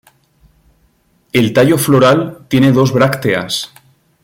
El tallo floral tiene dos brácteas.